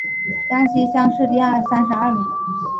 江西乡试第三十二名。